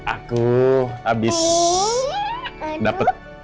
aku habis dapet